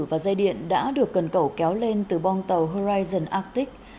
và dây điện đã được cần cẩu kéo lên từ bong tàu horizon arctic